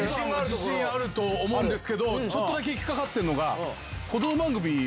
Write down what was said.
自信あると思うんですけどちょっと引っ掛かってるのが。